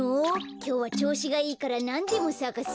きょうはちょうしがいいからなんでもさかすよ。